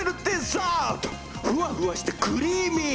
ふわふわしてクリーミー！